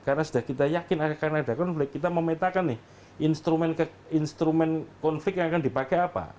karena sudah kita yakin akan ada konflik kita memetakan nih instrumen konflik yang akan dipakai apa